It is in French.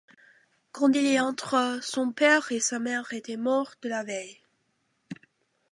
Quand il y entra, son père et sa mère étaient morts de la veille.